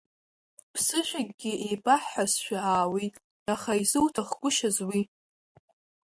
Ԥсышәакгьы еибаҳҳәазшәа аауит, аха изуҭахгәышьаз уи?